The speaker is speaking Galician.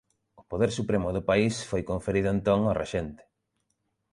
O poder supremo do país foi conferido entón ao rexente.